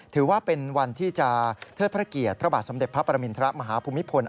ถือว่าเป็นวันที่จะเทิดพระเกียรติพระบาทสมเด็จพระปรมินทรมาฮภูมิพล